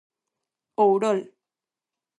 Ourol.